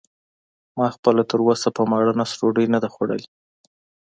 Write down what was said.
ما خپله تراوسه په ماړه نس ډوډۍ نه ده خوړلې.